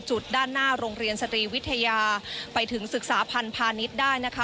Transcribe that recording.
จุดด้านหน้าโรงเรียนสตรีวิทยาไปถึงศึกษาพันธ์พาณิชย์ได้นะคะ